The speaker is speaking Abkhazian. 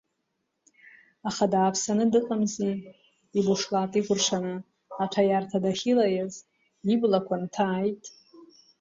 Аха дааԥсаны дыҟамзи, ибушлат икәыршаны аҭәаиарҭа дахьылаиаз илақәа нҭааит.